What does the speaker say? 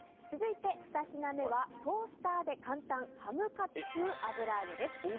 続いて２品目はトースターで簡単ハムカツ風油揚げです。